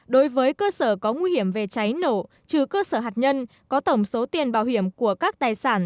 đối với cơ sở có nguy hiểm về cháy nổ trừ cơ sở hạt nhân có tổng số tiền bảo hiểm của các tài sản